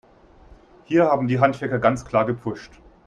Hier haben die Handwerker ganz klar gepfuscht.